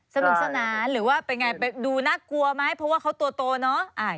สนุกสนานหรือว่าเป็นไงดูน่ากลัวไหมเพราะว่าเขาตัวโตเนอะ